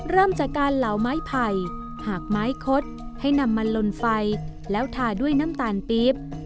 เริ่มจากการเหลาไม้ไผ่หากไม้คดให้นำมันลนไฟแล้วทาด้วยน้ำตาลปี๊บ